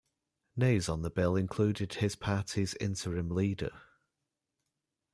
Nays on the bill included his party's interim leader.